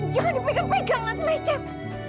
jangan dipegang pegang nanti lecet